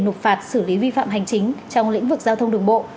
nộp phạt xử lý vi phạm hành chính trong lĩnh vực giao thông đường bộ